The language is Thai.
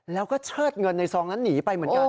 แล้วก็เชิดเงินในซองนั้นหนีไปเหมือนกัน